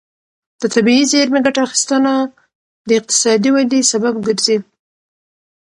د طبیعي زېرمې ګټه اخیستنه د اقتصادي ودې سبب ګرځي.